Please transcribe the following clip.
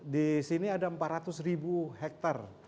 disini ada empat ratus ribu hektar